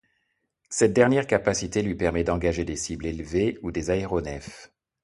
Cette dernière capacité lui permet d'engager des cibles élevées ou des aéronefs.